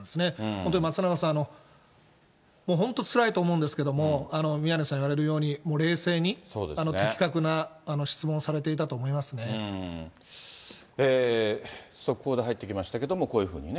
本当に松永さん、もう本当、つらいと思うんですけども、宮根さん言われるように、もう冷静に的確速報で入ってきましたけれども、こういうふうにね。